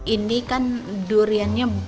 ini kan duriannya